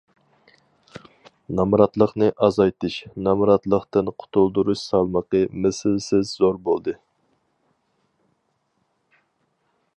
نامراتلىقنى ئازايتىش، نامراتلىقتىن قۇتۇلدۇرۇش سالمىقى مىسلىسىز زور بولدى.